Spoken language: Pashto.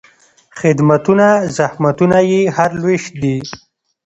خدمتونه، زحمتونه یې هر لوېشت دي